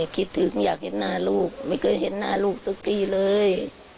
คิดถึงอยากเห็นหน้าลูกไม่เคยเห็นหน้าลูกสักทีเลย